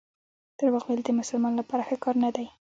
درواغ ویل د مسلمان لپاره ښه کار نه دی.